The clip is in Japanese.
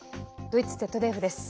ドイツＺＤＦです。